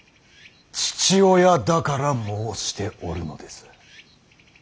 父親だから申しておるのです。